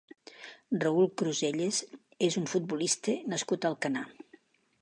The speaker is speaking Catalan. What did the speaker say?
Raúl Cruselles és un futbolista nascut a Alcanar.